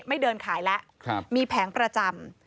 ไม่เดินขายแล้วมีแผงประจำ